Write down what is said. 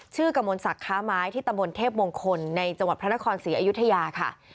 กระมวลศักดิ์ค้าไม้ที่ตำบลเทพมงคลในจังหวัดพระนครศรีอยุธยาค่ะ